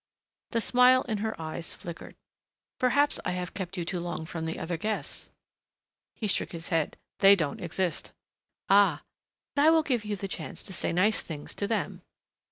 The smile in her eyes flickered. "Perhaps I have kept you too long from the other guests." He shook his head. "They don't exist." "Ah! I will give you the chance to say such nice things to them."